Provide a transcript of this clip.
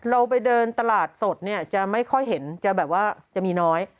เราไปเดินตลาดสดเนี่ยจะไม่ค่อยเห็นจะแบบว่าจะมีน้อย